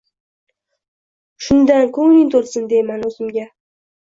Shundan ko‘ngling to‘lsin, deyman o‘zimga